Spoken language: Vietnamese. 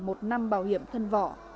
một năm bảo hiểm thân vỏ